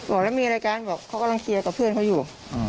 บอกแล้วมีรายการบอกเขากำลังเคลียร์กับเพื่อนเขาอยู่